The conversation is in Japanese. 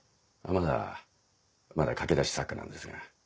まだまだ駆け出し作家なんですが。